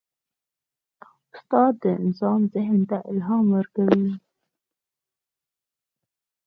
استاد د انسان ذهن ته الهام ورکوي.